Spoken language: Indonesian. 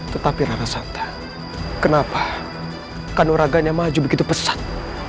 tetapi rara santam kenapa kandung raganya maju begitu pesat